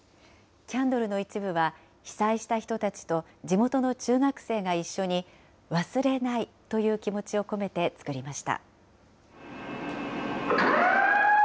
キャンドルの一部は、被災した人たちと地元の中学生が一緒に、忘れないという気持ちを込めて作りました。